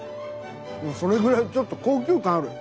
それぐらいちょっと高級感ある。